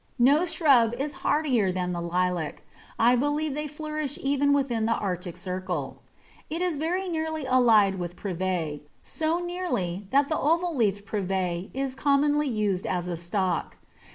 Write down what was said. No shrub is hardier than the Lilac; I believe they flourish even within the Arctic Circle. It is very nearly allied to Privet; so nearly, that the oval leaved Privet is commonly used as a stock.